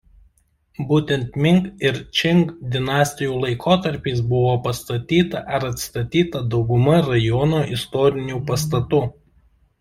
Būtent Ming ir Čing dinastijų laikotarpiais buvo pastatyta ar atstatyta dauguma rajono istorinių pastatų.